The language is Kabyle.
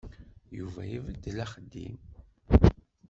Yuba ibeddel axeddim.